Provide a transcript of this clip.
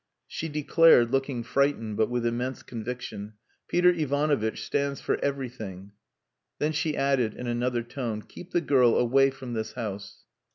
She declared, looking frightened, but with immense conviction, "Peter Ivanovitch stands for everything." Then she added, in another tone, "Keep the girl away from this house."